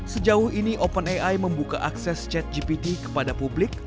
sejauh ini openai membuka akses chatgpt kepada publik